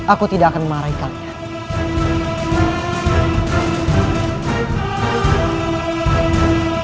aku tidak akan memarahi kalian